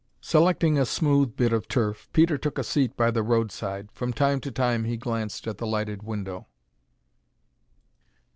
Selecting a smooth bit of turf, Peter took a seat by the road side. From time to time he glanced at the lighted window.